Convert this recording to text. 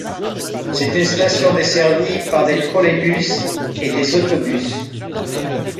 C'est une station desservie par des Trolleybus et des autobus.